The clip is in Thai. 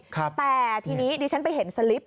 แต่ทีนี้ดิฉันไปเห็นสลิป